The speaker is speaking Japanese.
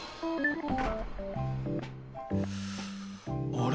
あれ？